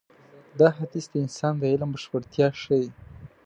دا حديث د انسان د علم بشپړتيا ښيي.